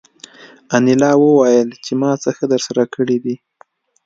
انیلا وویل چې ما څه ښه درسره کړي دي